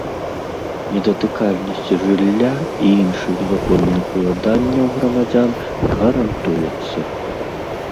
Недатыкальнасць жылля і іншых законных уладанняў грамадзян гарантуецца.